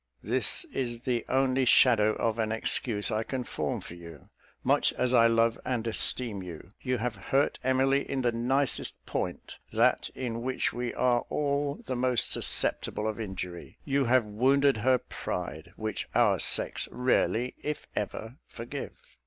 This is the only shadow of an excuse I can form for you, much as I love and esteem you. You have hurt Emily in the nicest point, that in which we are all the most susceptible of injury. You have wounded her pride, which our sex rarely, if ever, forgive.